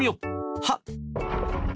はっ！